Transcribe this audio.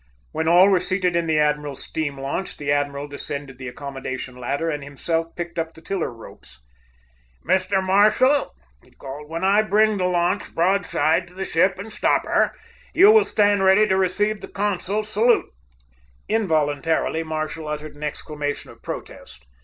When all were seated in the admiral's steam launch, the admiral descended the accommodation ladder and himself picked up the tiller ropes. "Mr. Marshall," he called, "when I bring the launch broadside to the ship and stop her, you will stand ready to receive the consul's salute." Involuntarily, Marshall uttered an exclamation of protest.